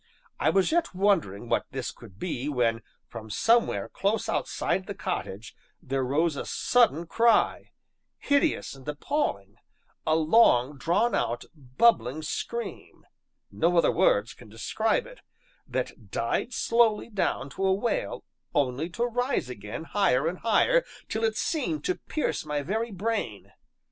I was yet wondering what this could be, when, from somewhere close outside the cottage, there rose a sudden cry hideous and appalling a long drawn out, bubbling scream (no other words can describe it), that died slowly down to a wail only to rise again higher and higher, till it seemed to pierce my very brain.